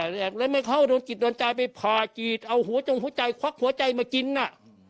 แล้วมันเข้าโดนจิตโดนจ่ายไปพาจิตเอาหัวจงหัวใจควักหัวใจมากินน่ะ